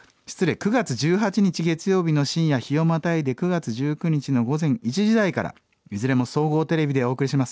９月１８日月曜日の深夜日をまたいで９月１９日の午前１時台からいずれも総合テレビでお送りします。